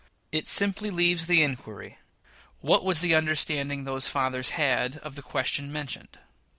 It simply leaves the inquiry: What was the understanding those fathers had of the question mentioned?